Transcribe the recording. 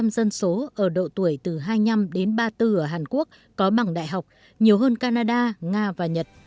một mươi dân số ở độ tuổi từ hai mươi năm đến ba mươi bốn ở hàn quốc có bằng đại học nhiều hơn canada nga và nhật